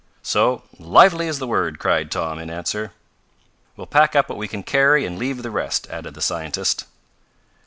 So, lively is the word!" cried Tom, in answer. "We'll pack up what we can carry and leave the rest," added the scientist.